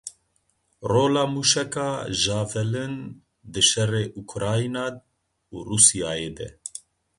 Rola mûşeka Javelin di şerê Ukrayna û Rûsyayê de.